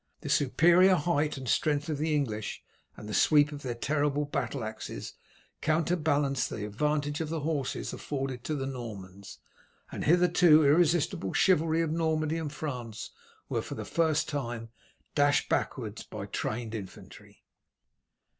The superior height and strength of the English, and the sweep of their terrible battle axes, counterbalanced the advantage the horses afforded to the Normans, and the hitherto irresistible chivalry of Normandy and France were, for the first time, dashed backwards by trained infantry.